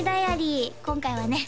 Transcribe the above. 今回はね